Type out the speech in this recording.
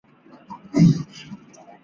该党的总部位于里斯本。